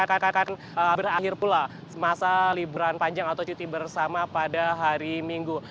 akan berakhir pula masa liburan panjang atau cuti bersama pada hari minggu